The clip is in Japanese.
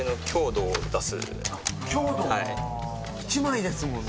はい・１枚ですもんね